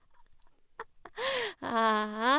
ああ。